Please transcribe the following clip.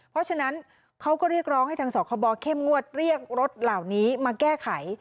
เพราะฉะนั้นเขาก็เรียกร้องให้ทางสคบเข้มงวดเรียกรถเหล่านี้มาแก้ไข